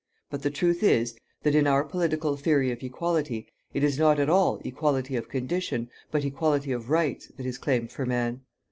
But the truth is, that, in our political theory of equality, it is not at all equality of condition, but equality of rights, that is claimed for man.